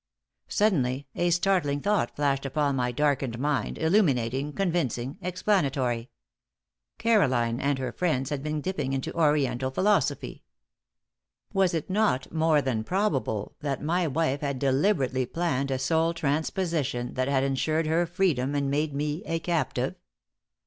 Suddenly a startling thought flashed upon my darkened mind, illuminating, convincing, explanatory. Caroline and her friends had been dipping into Oriental philosophy. Was it not more than probable that my wife had deliberately planned a soul transposition that had ensured her freedom and made me a captive?